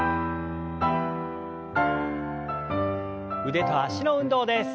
腕と脚の運動です。